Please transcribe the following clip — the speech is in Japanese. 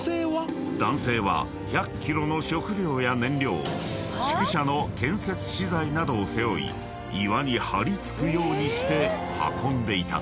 ［食料や燃料宿舎の建設資材などを背負い岩に張り付くようにして運んでいた］